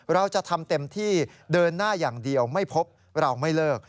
เราจะทำเต็มที่เดินหน้าอย่างเดียวไม่พบเราไม่เลิก